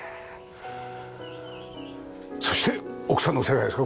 そして奥さんの世界ですか？